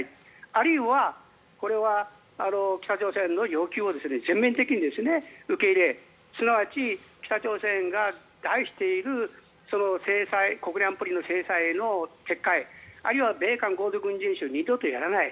あるいはこれは北朝鮮の要求を全面的に受け入れすなわち北朝鮮が題している制裁、国連安保理の制裁の撤回あるいは米韓合同軍事演習を二度とやらない。